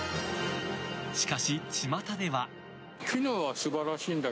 しかし、ちまたでは。